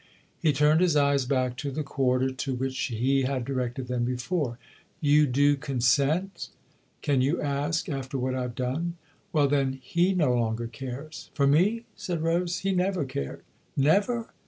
He turned his eyes back to the quarter to which he had directed them before. " You do consent ?"" Can you ask after what I've done ?"" Well, then, he no longer cares ?"" For me ?" said Rose. " He never cared." " Never